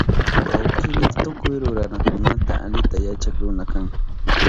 Wawkini tukuy ruranakunata alita yachak runa kan